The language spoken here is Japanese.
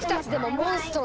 モンストロ